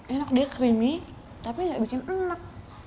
enak dia creamy tapi ya bikin enak